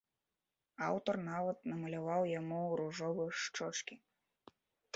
Аўтар нават намаляваў яму ружовы шчочкі.